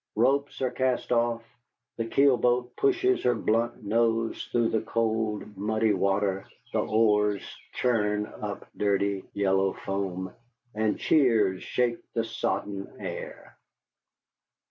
Ropes are cast off, the keel boat pushes her blunt nose through the cold, muddy water, the oars churn up dirty, yellow foam, and cheers shake the sodden air.